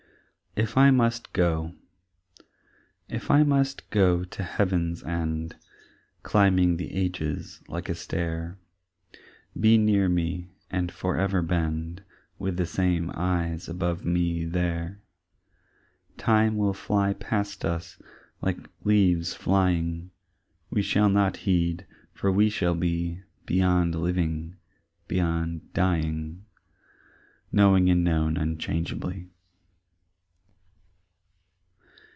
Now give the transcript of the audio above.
"If I Must Go" If I must go to heaven's end Climbing the ages like a stair, Be near me and forever bend With the same eyes above me there; Time will fly past us like leaves flying, We shall not heed, for we shall be Beyond living, beyond dying, Knowing and known unchangeably.